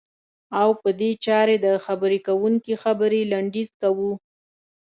او په دې چارې د خبرې کوونکي خبرې لنډی ز کوو.